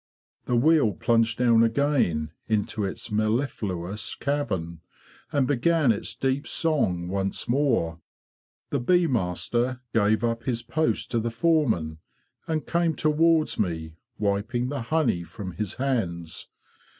The wheel plunged down again into its mellifluous cavern, and began its deep song once more. The bee master gave up his post to the foreman, and came towards me, wiping the honey from his hands.